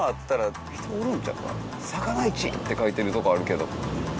「さかな市」って書いてるとこあるけど。